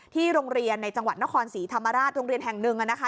โรงเรียนในจังหวัดนครศรีธรรมราชโรงเรียนแห่งหนึ่งนะคะ